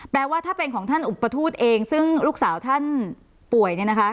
ว่าถ้าเป็นของท่านอุปทูตเองซึ่งลูกสาวท่านป่วย